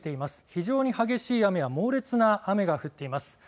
非常に激しい雨や猛烈な雨が降っています。